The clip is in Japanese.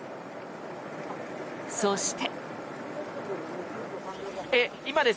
そして。